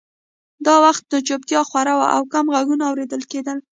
دا وخت نو چوپتیا خوره وه او کم غږونه اورېدل کېدل